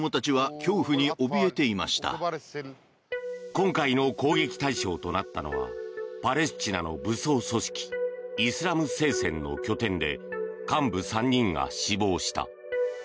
今回の攻撃対象となったのはパレスチナの武装組織イスラム聖戦の拠点で幹部３人が死亡した。